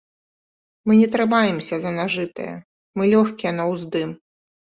Мы не трымаемся за нажытае, мы лёгкія на ўздым.